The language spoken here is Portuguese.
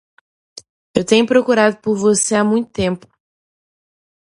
Eu tenho procurado por você há muito tempo.